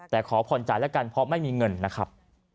แต่ขอผ่อนใจแล้วกันเพราะไม่มีเงินนะครับ